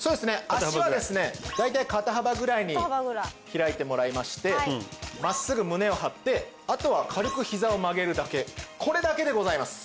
足はですね大体肩幅ぐらいに開いてもらいまして真っすぐ胸を張ってあとは軽くひざを曲げるだけこれだけでございます！